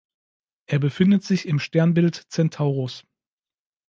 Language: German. Er befindet sich im Sternbild Centaurus.